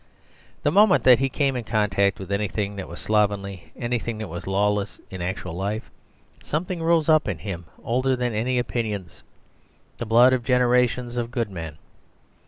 The moment that he came in contact with anything that was slovenly, anything that was lawless, in actual life, something rose up in him, older than any opinions, the blood of generations of good men.